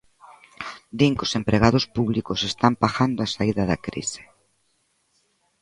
Din que os empregados públicos están pagando a saída da crise.